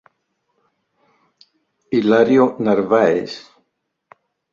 Hilario Narváez.